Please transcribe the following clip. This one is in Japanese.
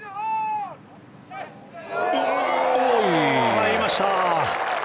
入りました！